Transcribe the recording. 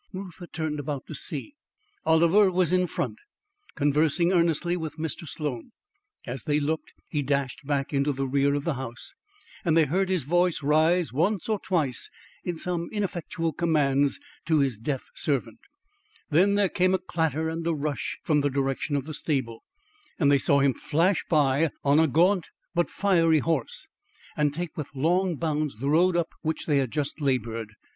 Reuther turned about to see. Oliver was in front, conversing earnestly with Mr. Sloan. As they looked, he dashed back into the rear of the house, and they heard his voice rise once or twice in some ineffectual commands to his deaf servant, then there came a clatter and a rush from the direction of the stable, and they saw him flash by on a gaunt but fiery horse, and take with long bounds the road up which they had just laboured.